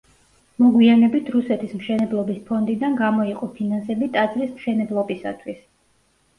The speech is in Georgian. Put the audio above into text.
მოგვიანებით რუსეთის მშენებლობის ფონდიდან გამოიყო ფინანსები ტაძრის მშენებლობისათვის.